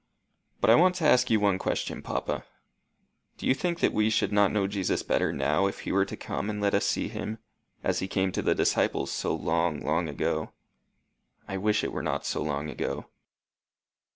"But I want to ask you one question, papa: do you think that we should not know Jesus better now if he were to come and let us see him as he came to the disciples so long, long ago? I wish it were not so long ago."